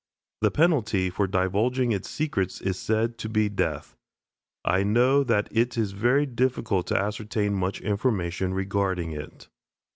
The penalty for divulging its secrets is said to be death. I know that it is very difficult to ascertain much information regarding it.